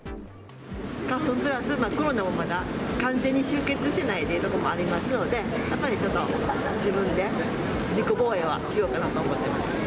花粉プラスコロナもまだ完全に終結してないというところもありますので、やっぱりちょっと、自分で自己防衛はしようかなと思ってます。